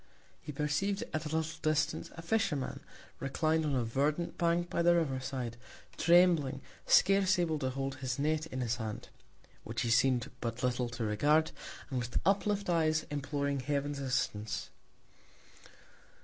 He perceiv'd at a little Distance a Fisherman, reclin'd on a verdant Bank by the River side, trembling, scarce able to hold his Net in his Hand, (which he seem'd but little to regard) and with uplift Eyes, imploring Heaven's Assistance.